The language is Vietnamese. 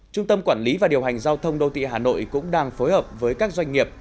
trung tâm quản lý và điều hành giao thông đô thị hà nội cũng đang phối hợp với các doanh nghiệp